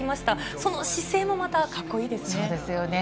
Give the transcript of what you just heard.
その姿勢もまたカッコいいですね。